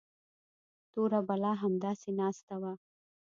توره بلا همداسې ناسته وه.